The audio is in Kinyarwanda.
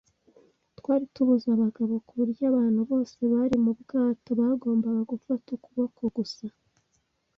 Twari tubuze abagabo kuburyo abantu bose bari mu bwato bagombaga gufata ukuboko - gusa